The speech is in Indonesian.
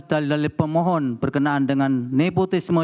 dalil dalil pemohon berkenaan dengan nepotisme